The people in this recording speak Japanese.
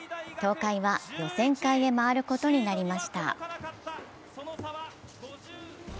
東海は予選会へ回ることになりました。